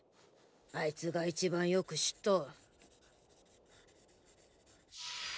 あいつが一番よく知っとる。